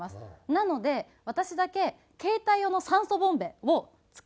なので私だけ携帯用の酸素ボンベを使っています。